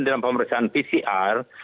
dalam pemeriksaan pcr